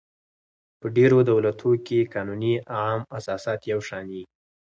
په ډېرو دولتو کښي قانوني عام اساسات یو شان يي.